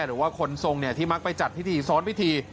หรือว่าคนทรงที่มักไปจัดพิธีซ้อนพิธี